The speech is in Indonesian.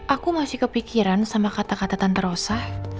aku masih kepikiran sama kata kata tante rosa